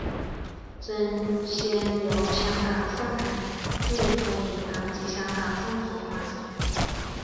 曾先后由香港上海汇丰银行及香港政府发行。